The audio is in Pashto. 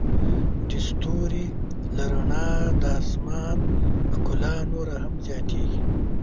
د ستوري له رڼا د آسمان ښکلا نوره هم زیاتیږي.